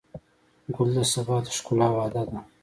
ګل د سبا د ښکلا وعده ده.